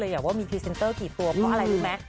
อยากว่ามีพรีเซนเตอร์กี่ตัวเพราะอะไรรู้ไหม